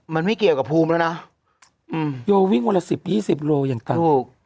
มันไม่เกี่ยวกับภูมิแล้วนะโยวิ่งวันละสิบยี่สิบโลอย่างต่ำ